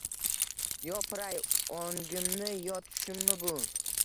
Yopiray! O’ngimmi, yo tushimmi bu?